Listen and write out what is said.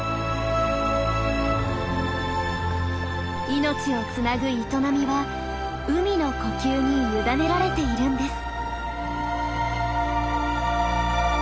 命をつなぐ営みは海の呼吸に委ねられているんです。